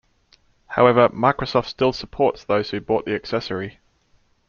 However, Microsoft still supports those who bought the accessory.